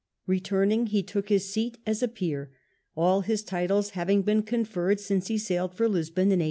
Returning, he took his seat as a Peer — all his titles having been conferred since he sailed for Lisbon in 1809.